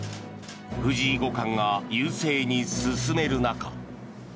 藤井五冠が優勢に進める中。